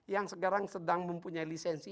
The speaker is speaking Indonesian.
yang sekarang sedang mempunyai lisensi